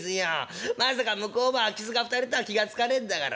まさか向こうも空き巣が２人とは気が付かねえんだから。